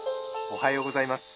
「おはようございます。